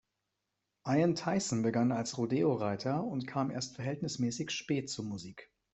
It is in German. Ian Tyson begann als Rodeo-Reiter und kam erst verhältnismäßig spät zur Musik.